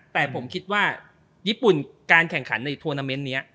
แต่ผมคิดว่าญี่ปุ่นการแข่งขันในทวนาเมนต์นี้